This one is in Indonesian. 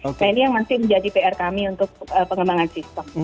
nah ini yang masih menjadi pr kami untuk pengembangan sistem